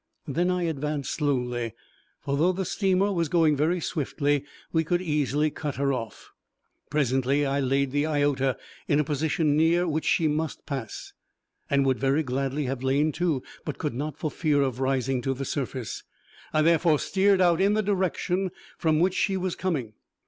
Then I advanced slowly, for though the steamer was going very swiftly we could easily cut her off. Presently I laid the Iota in a position near which she must pass, and would very gladly have lain to, but could not for fear of rising to the surface. I therefore steered out in the direction from which she was coming.